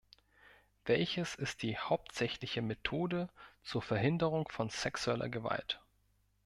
Welches ist die hauptsächliche Methode zur Verhinderung von sexueller Gewalt?